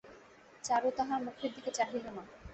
চারু তাহার মুখের দিকে চাহিল না।